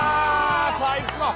最高！